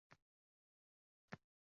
Urg'u qayerga beriladi?